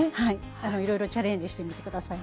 いろいろチャレンジしてみて下さい。